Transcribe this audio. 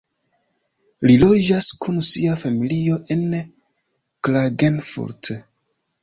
Li loĝas kun sia familio en Klagenfurt.